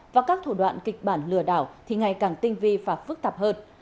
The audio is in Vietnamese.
và các thủ đoạn kịch bản lừa đảo thì ngày càng tinh vi và phức tạp hơn